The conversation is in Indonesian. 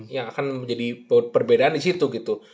yang akan menjadi perbedaan disitu gitu